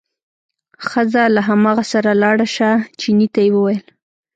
ښه ځه له هماغه سره لاړ شه، چیني ته یې وویل.